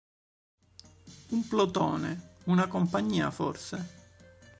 Un plotone, una compagnia forse?